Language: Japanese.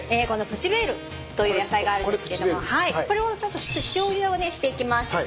このプチヴェールという野菜があるんですけれどもこれをちょっと塩ゆでをねしていきます。